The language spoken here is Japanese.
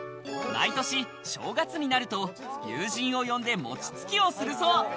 毎年、正月になると友人を呼んで餅つきをするそう。